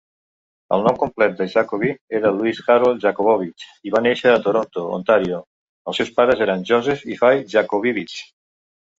El nom complet de Jacobi era Louis Harold Jacobovitch i va néixer a Toronto, Ontario. Els seus pares eren Joseph i Fay Jacobivitch.